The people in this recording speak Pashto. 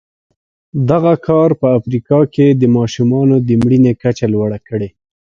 دغه کار په افریقا کې د ماشومانو د مړینې کچه لوړه کړې.